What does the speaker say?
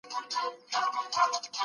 زه به اوږده موده ډوډۍ پخه کړې وم.